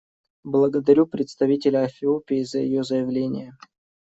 Благодарю представителя Эфиопии за ее заявление.